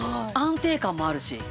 安定感もあるし。